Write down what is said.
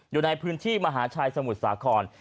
อยู่ในพื้นที่มหาชัยสมุทรสาคร